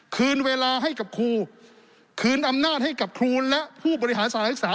คืนเวลาให้กับครูคืนอำนาจให้กับครูและผู้บริหารสถานศึกษา